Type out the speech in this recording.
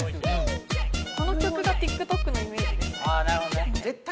この曲がＴｉｋＴｏｋのイメージです・ああ